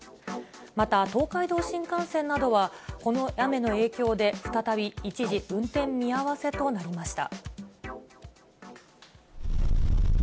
また、東海道新幹線などは、この雨の影響で再び一時運転見合わせとなりました。